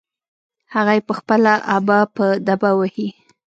هغه يې په خپله ابه په دبه وهي.